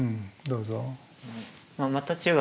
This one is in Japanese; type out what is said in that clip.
どうぞ。